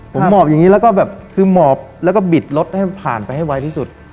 ผมหมอบอย่างนี้แล้วก็บิดรถผ่านไปให้ไวที่สุด